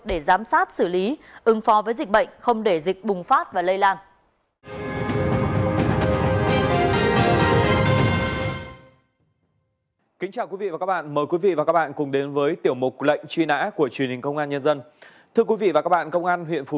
để giám sát xử lý ưng pho với dịch bệnh